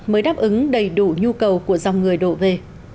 mới đáp ứng đầy đủ nhu cầu của dòng người đổ về